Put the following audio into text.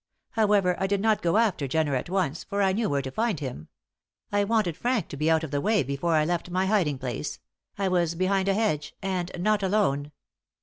However, I did not go after Jenner at once, for I knew where to find him. I wanted Frank to be out of the way before I left my hiding place I was behind a hedge and not alone."